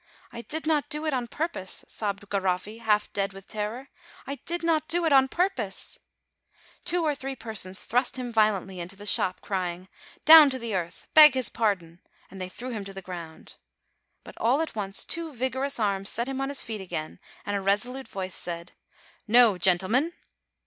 "I did not do it on purpose!" sobbed Garoffi, half dead with terror ; "I did not do it on purpose !" Two or three persons thrust him violently into the shop, crying: "Down to the earth! Beg his pardon!" and they threw him to the ground. But all at once two vigorous arms set him on his feet again, and a resolute voice said : "No, gentlemen!"